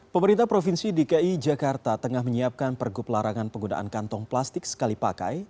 pemerintah provinsi dki jakarta tengah menyiapkan pergub larangan penggunaan kantong plastik sekali pakai